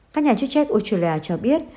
các nhà chức trách australia cho biết